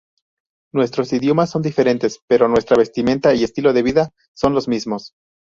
Nuestros idiomas son diferentes, pero nuestra vestimenta y estilo de vida son los mismos".